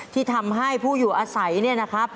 ที่ทำให้ผู้อยู่อาศัยเนี่ยนะครับ